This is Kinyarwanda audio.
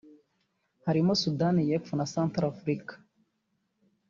harimo Sudani y’Epfo na Centrafrique